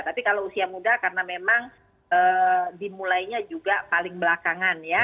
tapi kalau usia muda karena memang dimulainya juga paling belakangan ya